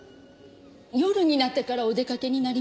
夜になってからお出かけになりました。